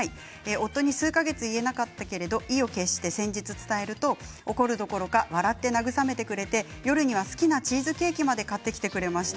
夫に数か月言えなかったけれど意を決して先日伝えると怒るどころか笑って慰めてくれて夜には好きなチーズケーキまで買ってきてくれました。